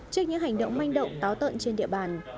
trước những hành động manh động táo tợn trên địa bàn